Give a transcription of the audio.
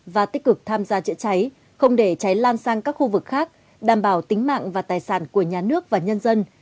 và tích cực tham gia chữa cháy không để cháy lan sang các khu vực khác đảm bảo tính mạng và tài sản của nhà nước và nhân dân